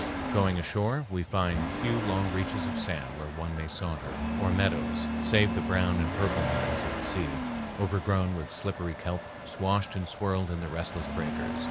Going ashore, we find few long reaches of sand where one may saunter, or meadows, save the brown and purple meadows of the sea, overgrown with slippery kelp, swashed and swirled in the restless breakers.